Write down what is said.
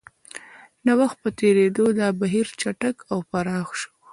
د وخت په تېرېدو دا بهیر چټک او پراخ شوی